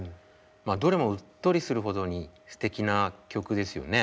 どれもうっとりするほどにすてきな曲ですよね。